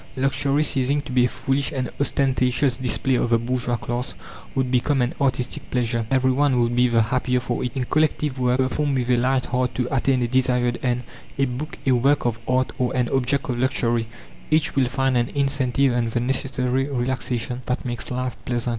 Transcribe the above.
Luxury, ceasing to be a foolish and ostentatious display of the bourgeois class, would become an artistic pleasure. Everyone would be the happier for it. In collective work, performed with a light heart to attain a desired end, a book, a work of art, or an object of luxury, each will find an incentive and the necessary relaxation that makes life pleasant.